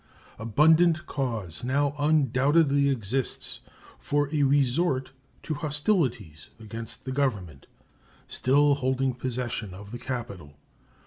Abundant cause now undoubtedly exists for a resort to hostilities against the Government still holding possession of the capital.